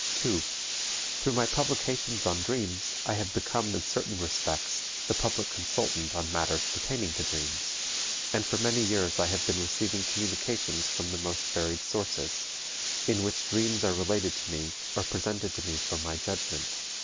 2. Through my publications on dreams I have become, in certain respects, the public consultant on matters pertaining to dreams, and for many years I have been receiving communications from the most varied sources, in which dreams are related to me or presented to me for my judgment.